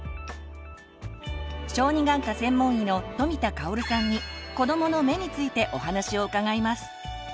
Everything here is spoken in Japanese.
小児眼科専門医の富田香さんに「子どもの目」についてお話を伺います。